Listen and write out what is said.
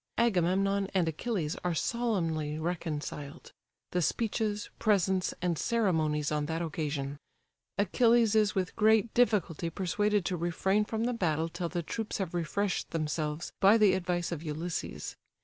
Agamemnon and Achilles are solemnly reconciled: the speeches, presents, and ceremonies on that occasion. Achilles is with great difficulty persuaded to refrain from the battle till the troops have refreshed themselves by the advice of Ulysses.